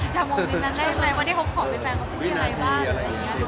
จากโมเมนต์นั้นได้ไหมวันนี้เขาขอเป็นแฟนเขาคุยอะไรบ้าง